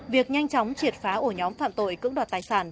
việc nhanh chóng triệt phá ổ nhóm phạm tội cưỡng đoạt tài sản